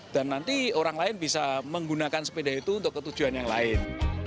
dan nanti orang lain bisa menggunakan sepeda itu untuk ketujuan yang lain